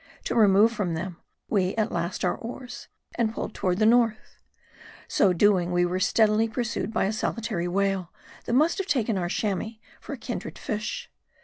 To remove from them, we at last out oars, and pulled toward the north. So doing, we were steadily pursued by a solitary whale, that must have taken our Chamois for a kindred fish.